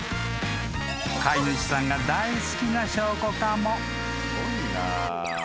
［飼い主さんが大好きな証拠かも］